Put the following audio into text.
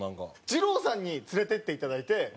じろうさんに連れてっていただいて。